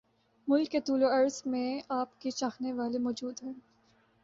ملک کے طول وعرض میں آپ کے چاہنے والے موجود ہیں